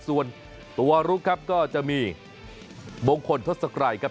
ส่วนตัวลุกครับก็จะมีมงคลทศกรัยครับ